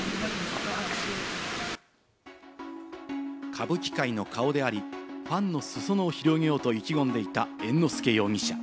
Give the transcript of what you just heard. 歌舞伎界の顔であり、ファンの裾野を広げようと意気込んでいた猿之助容疑者。